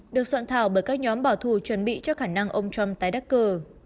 được soạn thảo bởi các nhóm bảo thù chuẩn bị cho khả năng ông trump tái đắc cử